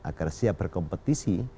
agar siap berkompetisi